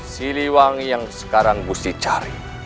siliwangi yang sekarang mesti cari